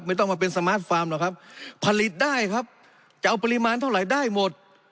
ไม่ต้องมาเป็นสมาร์ทฟาร์มหรอกครับผลิตได้ครับจะเอาปริมาณเท่าไหร่ได้หมด